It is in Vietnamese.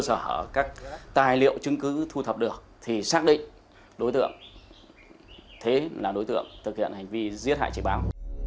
và trên cơ sở các tài liệu chứng cứ thu thập được thì xác định đối tượng thế là đối tượng thực hiện hành vi giết hại trị báo